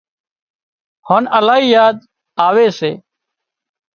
هانَ الاهي ياد آوي سي